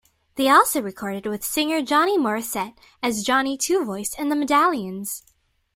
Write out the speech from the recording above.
They also recorded with singer Johnny Morrisette, as Johnny Twovoice and The Medallions.